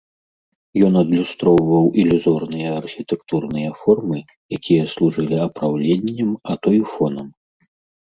Ён адлюстроўваў ілюзорныя архітэктурныя формы, якія служылі апраўленнем, а то і фонам.